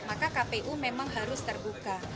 maka kpu memang harus terbuka